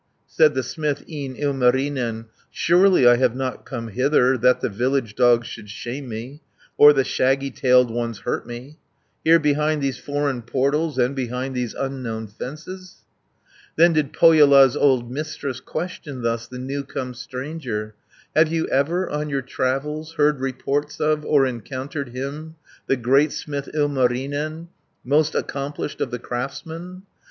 Said the smith, e'en Ilmarinen, "Surely I have not come hither That the village dogs should shame me, Or the shaggy tailed ones hurt me, Here behind these foreign portals, And behind these unknown fences." 200 Then did Pohjola's old Mistress Question thus the new come stranger: "Have you ever on your travels, Heard reports of, or encountered Him, the great smith Ilmarinen, Most accomplished of the craftsmen?